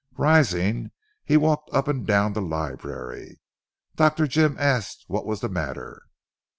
Rising he walked up and down the library. Dr. Jim asked what was the matter.